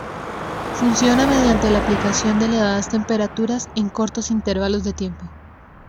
Funciona mediante la aplicación de elevadas temperaturas en cortos intervalos de tiempo.